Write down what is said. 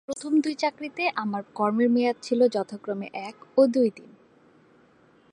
প্রথম দুই চাকরিতে আমার কর্মের মেয়াদ ছিল যথাক্রমে এক ও দুই দিন।